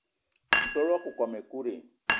Ntol wakokóm ekut i?